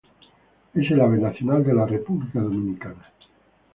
Es el ave nacional de la República Dominicana.